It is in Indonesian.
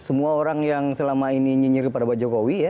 semua orang yang selama ini nyinyir kepada pak jokowi ya